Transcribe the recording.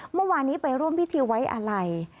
เมื่อวานนี้ไปร่วมพิธีไว้อาลัย